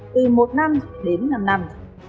từ một năm đến năm năm